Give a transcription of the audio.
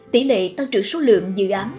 tỷ lệ tăng trưởng số lượng dự án